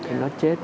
thì nó chết